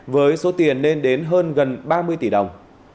với số tiền lên đến hơn gần ba mươi tỷ đồng